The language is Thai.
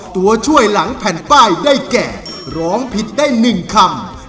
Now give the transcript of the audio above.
ตัวช่วยหลังแผ่นป้ายได้แก่ร้องผิดได้๑คำ